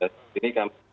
dan di sini kan